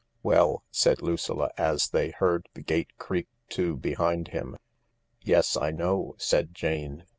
" "Well," said Lucilla, as they heard the gate creak to behind him. "Yes, I know," said Jane.